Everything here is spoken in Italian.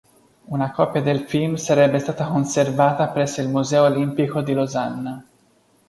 Una copia del film sarebbe stata conservata presso il "museo Olimpico di Losanna".